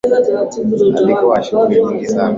Alikuwa na shughuli nyingi sana.